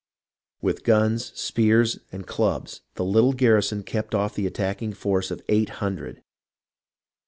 With guns, spears, and clubs, the little garrison kept off the attacking force of eight hun dred.